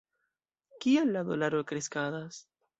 Kial la dolaro kreskadas?